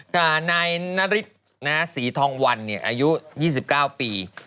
แต่นายนาริ๊บนะฮะสีทองวันอายุ๒๙ปี